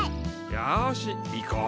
よし行こう。